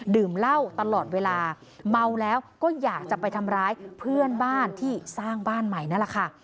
ดื่มเหล้าตลอดเวลาเมาแล้วก็อยากจะไปทำร้ายเพื่อนบ้านที่สร้างบ้านใหม่นั่นแหละค่ะ